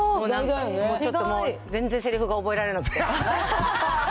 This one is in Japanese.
ちょっともう全然せりふが覚えられなくて。